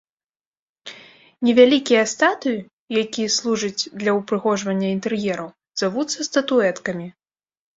Невялікія статуі, які служыць для ўпрыгожвання інтэр'ераў, завуцца статуэткамі.